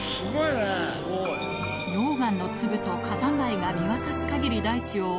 溶岩の粒と火山灰が見渡す限り大地を覆う